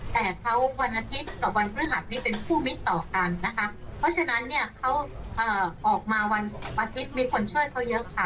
แต่เขาวันอาทิตย์กับวันพฤหัสนี้เป็นคู่มิตรต่อกันนะคะเพราะฉะนั้นเนี่ยเขาออกมาวันอาทิตย์มีคนช่วยเขาเยอะค่ะ